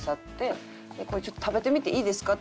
「これちょっと食べてみていいですか？」